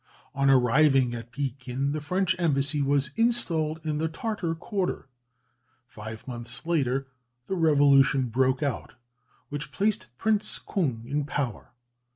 On arriving at Pekin the French embassy was installed in the Tartar quarter. Five months later the revolution broke out which placed Prince Kung in power.